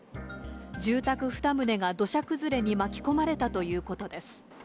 住宅２棟が土砂崩れに巻き込まれたということです。